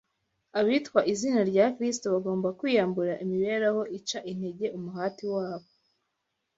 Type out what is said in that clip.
Abitwa izina rya Kristo bagomba kwiyambura imibereho ica intege umuhati wabo